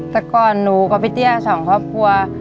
แต่ก่อนหนูกับพี่เตี้ยสองครอบครัว